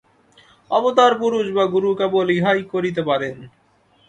অবতার পুরুষ বা গুরু কেবল ইহাই করিতে পারেন।